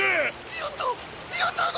やったやったぞ！